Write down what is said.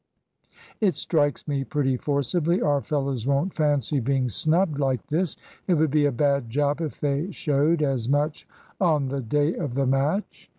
"It strikes me pretty forcibly our fellows won't fancy being snubbed like this. It would be a bad job if they showed as much on the day of the match."